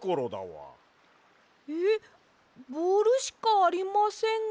えっボールしかありませんが。